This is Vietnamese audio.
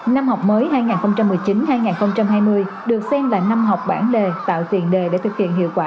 năm học mới hai nghìn một mươi chín hai nghìn hai mươi được xem là năm học bản đề tạo tiền đề để thực hiện hiệu quả